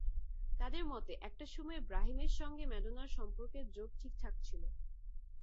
তাঁদের মতে, একটা সময়ে ব্রাহিমের সঙ্গে ম্যাডোনার সম্পর্কের যোগ ঠিকঠাক ছিল।